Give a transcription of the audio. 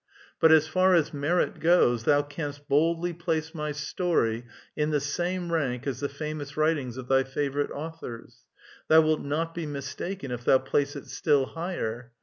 But, as far as merit goes, thou canst boldly place my story in the same rank as the famous writings of thy favorite authors ; thou wilt not be mistaken ; if thou place it still higher.